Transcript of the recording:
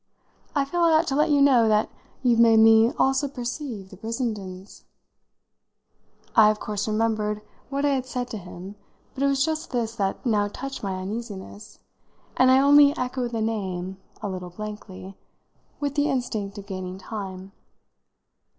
I feel I ought to let you know that you've made me also perceive the Brissendens." I of course remembered what I had said to him, but it was just this that now touched my uneasiness, and I only echoed the name, a little blankly, with the instinct of gaining time.